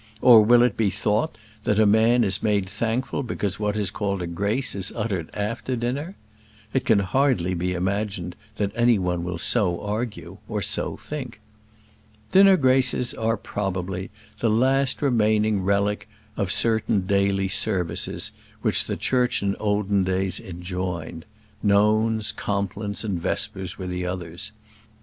or will it be thought that a man is made thankful because what is called a grace is uttered after dinner? It can hardly be imagined that any one will so argue, or so think. Dinner graces are, probably, the last remaining relic of certain daily services which the Church in olden days enjoined: nones, complines, and vespers were others.